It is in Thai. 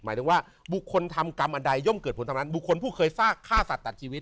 หมายถึงว่าบุคคลทำกรรมอันใดย่อมเกิดผลตามนั้นบุคคลผู้เคยซากฆ่าสัตว์ตัดชีวิต